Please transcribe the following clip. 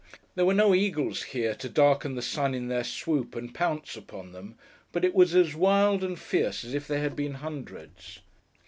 There were no eagles here, to darken the sun in their swoop, and pounce upon them; but it was as wild and fierce as if there had been hundreds.